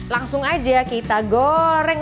langsung aja kita goreng